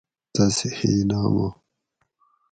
تصحیح نامہ